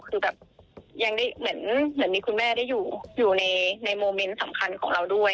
คือแบบยังได้เหมือนมีคุณแม่ได้อยู่ในโมเมนต์สำคัญของเราด้วย